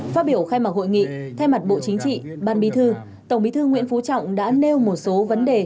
phát biểu khai mạc hội nghị thay mặt bộ chính trị ban bí thư tổng bí thư nguyễn phú trọng đã nêu một số vấn đề